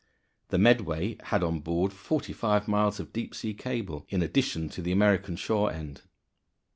The Medway had on board forty five miles of deep sea cable in addition to the American shore end.